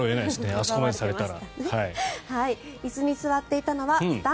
あそこまでされたら。